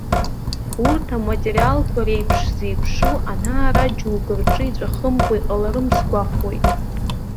Урҭ аматериалқәа реиԥш зеиԥшу ана-ара џьоукы рҿы иҵәахымкәа иҟаларым сгәахәуеит.